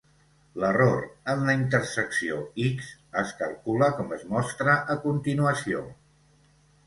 L'error en la intersecció x es calcula com es mostra a continuació.